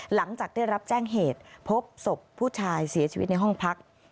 หลังจากได้รับแจ้งเหตุพบศพผู้ชายเสียชีวิตในห้องพัก